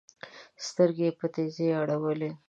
سترګي یې په تېزۍ اړولې